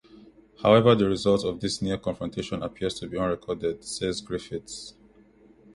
However, the result of this near-confrontation appears to be unrecorded, says Griffiths.